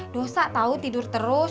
dosa tau tidur terus